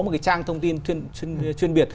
một cái trang thông tin chuyên biệt